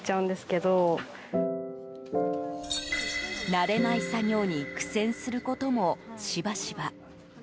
慣れない作業に苦戦することも、しばしば。